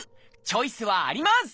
チョイスはあります！